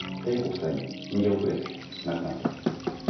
夫妻も逃げ遅れて亡くなっています。